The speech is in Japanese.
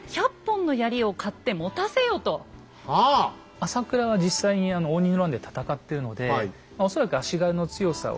朝倉は実際に応仁の乱で戦ってるので恐らく足軽の強さを。